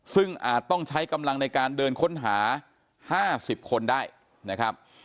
ซึ่งอาจต้องใช้กำลังในการเดินค้นหา๕๐คนได้นะครับ